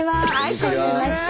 初めまして。